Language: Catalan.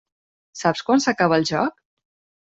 Saps quan s'acaba el joc?